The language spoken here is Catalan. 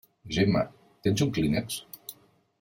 Gemma, tens un clínex?